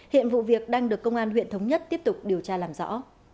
hiện vụ việc đang được công an huyện thống nhất tiếp tục điều tra làm rõ